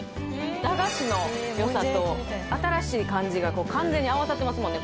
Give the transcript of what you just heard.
駄菓子の良さと新しい感じがこう完全に合わさってますもんね